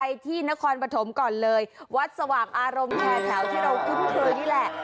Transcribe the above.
ที่นครปฐมก่อนเลยวัดสว่างอารมณ์แห่แถวที่เราคุ้นเคยนี่แหละ